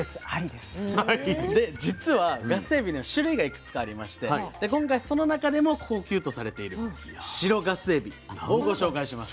で実はガスエビには種類がいくつかありまして今回その中でも高級とされている白ガスエビをご紹介します。